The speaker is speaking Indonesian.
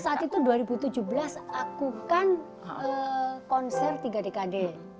saat itu dua ribu tujuh belas aku kan konser tiga dkd